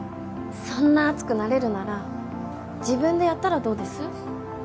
そんな熱くなれるなら自分でやったらどうです？